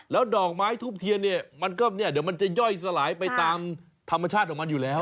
แล้วดอกไม้ทูบเทียนเนี่ยมันก็เนี่ยเดี๋ยวมันจะย่อยสลายไปตามธรรมชาติของมันอยู่แล้ว